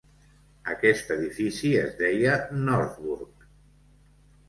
Aquest edifici es deia "Northburg".